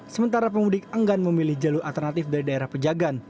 sementara pemudik enggan memilih jalur alternatif dari daerah pejagan